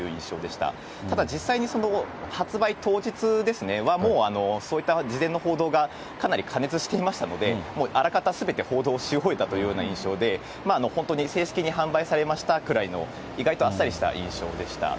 ただ実際に、発売当日は、もうそういった事前の報道がかなり過熱していましたので、もうあらかたすべて報道し終えたというような印象で、本当に、正式に販売されましたくらいの、意外とあっさりした印象でした。